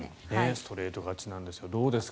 ストレート勝ちなんですがどうですか？